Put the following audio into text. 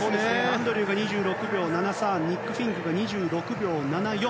アンドリューが２６秒７３ニック・フィンク２６秒７４。